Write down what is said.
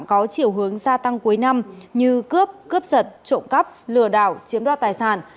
có chiều hướng gia tăng cuối năm như cướp cướp giật trộm cắp lừa đảo chiếm đoạt tài sản